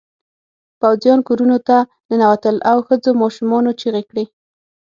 پوځيان کورونو ته ننوتل او ښځو ماشومانو چیغې کړې.